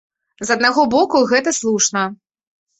З аднаго боку, гэта слушна.